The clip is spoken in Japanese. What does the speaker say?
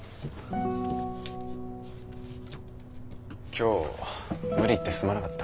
今日無理言ってすまなかった。